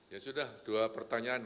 ya sudah dua pertanyaan